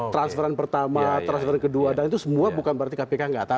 transferan pertama transferan kedua dan itu semua bukan berarti kpk nggak tahu